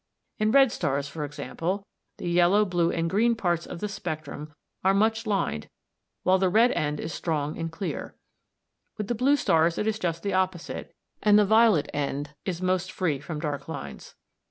In red stars, for example, the yellow, blue, and green parts of the spectrum are much lined while the red end is strong and clear. With blue stars it is just the opposite, and the violet end is most free from dark lines.